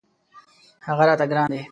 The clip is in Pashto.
هغه راته ګران دی.